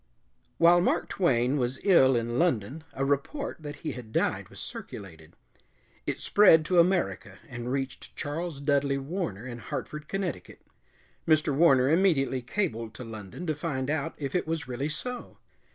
While Mark Twain was ill in London a report that he had died was circulated. It spread to America and reached Charles Dudley Warner in Hartford, Connecticut. Mr. Warner immediately cabled to London to find out if it was really so.